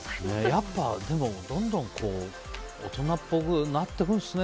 やっぱ、どんどん大人っぽくなっていくんですね。